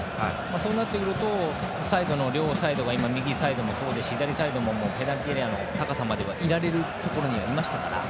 そうなってくると両サイドが右サイドもそうですし左サイドもペナルティーエリアのところにいられるところにいましたから。